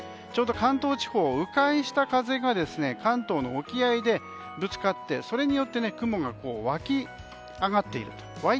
ちょうど関東地方を迂回した風が関東の沖合でぶつかってそれによって、雲が湧き上がっているという。